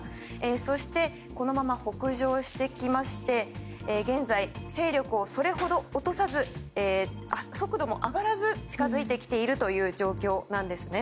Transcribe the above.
そしてこのまま北上してきまして現在、勢力をそれほど落とさず速度も上がらず近づいてきているという状況なんです。